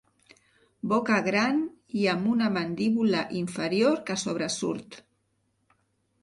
Boca gran i amb una mandíbula inferior que sobresurt.